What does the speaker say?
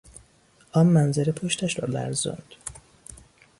آن منظره پشتش را لرزاند.